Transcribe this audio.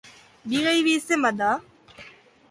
Bi gehi bi, zenbat da?